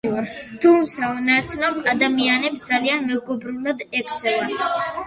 თუმცა ნაცნობ ადამიანებს ძალიან მეგობრულად ექცევა.